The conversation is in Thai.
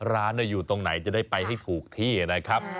ร้านอยู่ตรงไหนจะได้ไปให้ถูกที่นะครับ